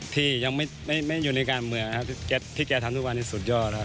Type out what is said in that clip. ที่ยังไม่อยู่ในการเมืองครับที่แกทำทุกวันนี้สุดยอดครับ